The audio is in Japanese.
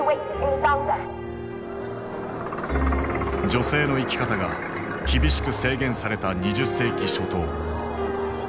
女性の生き方が厳しく制限された２０世紀初頭。